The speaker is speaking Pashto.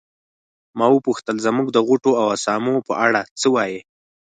ما وپوښتل زموږ د غوټو او اسامو په اړه څه وایې.